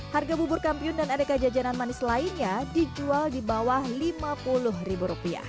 harga bubur kampiun dan aneka jajanan manis lainnya dijual di bawah rp lima puluh